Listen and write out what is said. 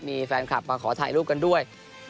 มีแฟนคลับมาขอถ่ายรูปกันด้วย